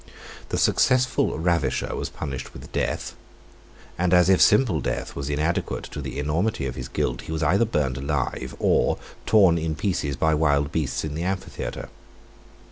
"The successful ravisher was punished with death;" and as if simple death was inadequate to the enormity of his guilt, he was either burnt alive, or torn in pieces by wild beasts in the amphitheatre.